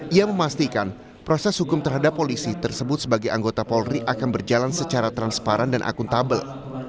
ia memastikan proses hukum terhadap polisi tersebut sebagai anggota polri akan berjalan secara transparan dan akuntabel